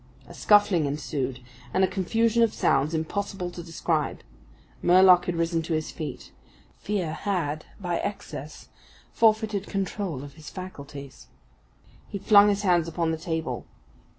A scuffling ensued, and a confusion of sounds impossible to describe. Murlock had risen to his feet. Fear had by excess forfeited control of his faculties. He flung his hands upon the table.